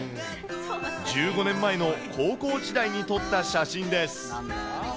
１５年前の高校時代に撮った写真です。